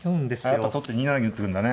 やっぱ取って２七銀打ってくるんだね。